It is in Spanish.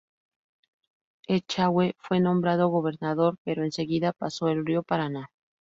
Echagüe fue nombrado gobernador, pero enseguida pasó el río Paraná.